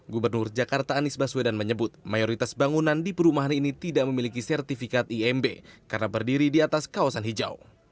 gubernur jakarta anies baswedan menyebut mayoritas bangunan di perumahan ini tidak memiliki sertifikat imb karena berdiri di atas kawasan hijau